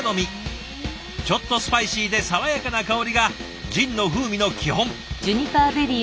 ちょっとスパイシーで爽やかな香りがジンの風味の基本。